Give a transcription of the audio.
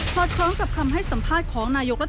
อดคล้องกับคำให้สัมภาษณ์ของนายกรัฐมนตรี